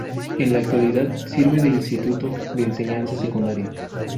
En la actualidad sirve de instituto de enseñanza secundaria.